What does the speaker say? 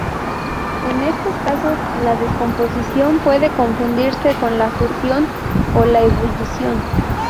En estos casos, la descomposición puede confundirse con la fusión o la ebullición.